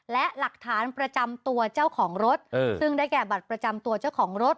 และหลักฐานประจำตัวเจ้าของรถซึ่งได้แก่บัตรประจำตัวเจ้าของรถ